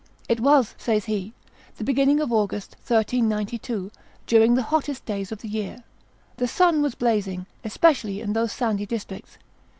"It was," says he, "the beginning of August, 1392, during the hottest days of the year. The sun was blazing, especially in those sandy districts.